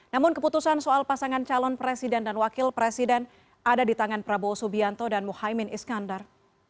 namun keputusan soal pasangan calon presiden dan wakil presiden ada di tangan prabowo subianto dan muhaymin iskandar